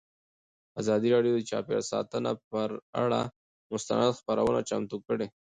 ازادي راډیو د چاپیریال ساتنه پر اړه مستند خپرونه چمتو کړې.